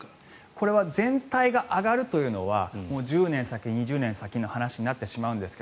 これは全体が上がるというのはもう１０年先、２０年先の話になってしまうんですが。